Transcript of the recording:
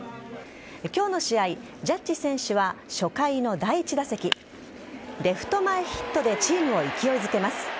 今日の試合、ジャッジ選手は初回の第１打席レフト前ヒットでチームを勢いづけます。